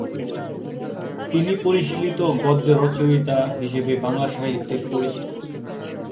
তিনি পরিশীলিত গদ্যের রচয়িতা হিসেবে বাংলা সাহিত্যে পরিচিত।